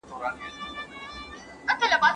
زما به هم د غزلونو، دېوان وي، او زه به نه یم